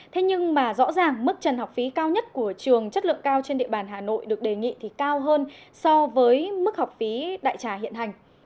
thế nhưng mà rõ ràng mức trần học phí cao nhất của trường chất lượng cao trên địa bàn hà nội được đề nghị thì cao hơn so với mức học phí đại trà hiện hành